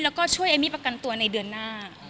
แล้วก็ช่วยเอมมี่ประกันตัวในเดือนหน้า